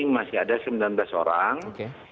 masih ada sembilan belas orang